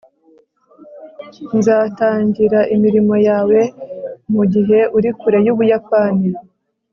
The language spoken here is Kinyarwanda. nzatangira imirimo yawe mugihe uri kure yubuyapani